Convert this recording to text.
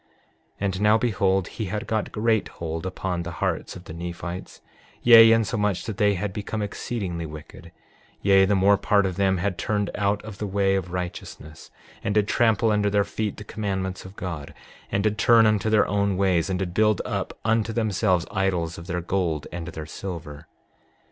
6:31 And now behold, he had got great hold upon the hearts of the Nephites; yea, insomuch that they had become exceedingly wicked; yea, the more part of them had turned out of the way of righteousness, and did trample under their feet the commandments of God, and did turn unto their own ways, and did build up unto themselves idols of their gold and their silver.